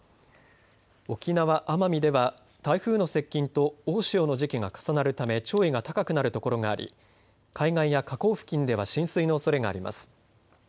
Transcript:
沖縄・奄美では台風の接近と大潮の時期が重なるため潮位が高くなるところがあり海岸や河口付近では浸水のおそれがあります。